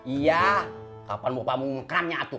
iya kapan buk buk mungkramnya atuh